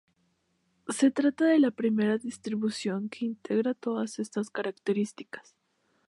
Se trata de la primera distribución que integra todas estas características.